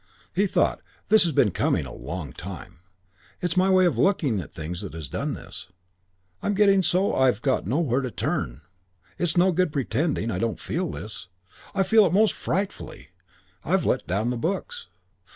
He thought, "This has been coming a long time.... It's my way of looking at things has done this. I'm getting so I've got nowhere to turn. It's no good pretending I don't feel this. I feel it most frightfully.... I've let down the books.